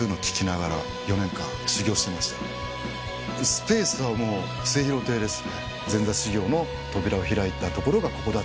スペースはもう末廣亭です。